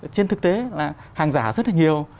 trên thực tế là hàng giả rất là nhiều